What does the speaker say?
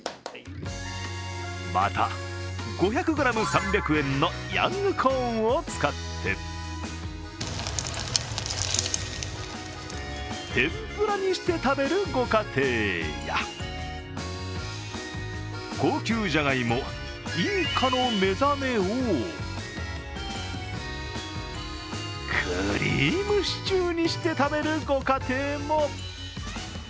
また、５００ｇ３００円のヤングコーンを使って天ぷらにして食べるご家庭や高級じゃがいも、インカのめざめをクリームシチューにして食べるご家庭も。